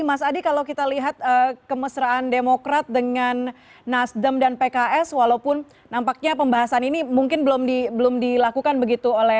mas adi kalau kita lihat kemesraan demokrat dengan nasdem dan pks walaupun nampaknya pembahasan ini mungkin belum dilakukan begitu